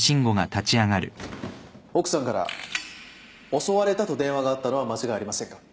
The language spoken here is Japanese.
奥さんから襲われたと電話があったのは間違いありませんか。